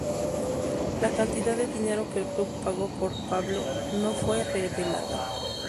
La cantidad de dinero que el club pagó por Pablo no fue revelada.